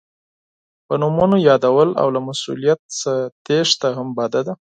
په نومونو یادول او له مسؤلیت څخه تېښته هم بده ده.